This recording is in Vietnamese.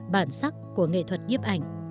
bản sắc của nghệ thuật nhếp ảnh